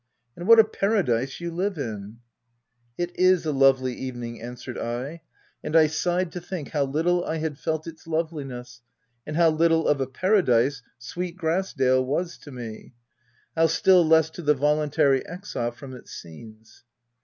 u And what a paradise you live in !"" It is a lovely evening," answered I ; and I sighed to think how little I had felt its loveli ness, and how little of a paradise sweet Grass dale was to me — how still less to the voluntary exile from its scenes.